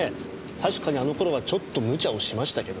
確かにあの頃はちょっと無茶をしましたけど。